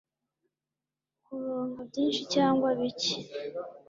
kuronka byinshi cyangwa bike